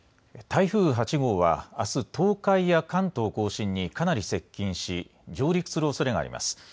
台風８号はあす、東海や関東甲信にかなり接近し、上陸するおそれがあります。